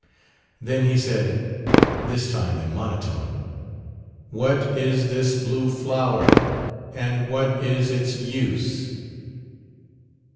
Then he said, this time in monotone, "What is this blue flower, and what is its use?"